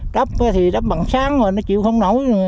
cấp thì đắp bằng sáng rồi nó chịu không nổi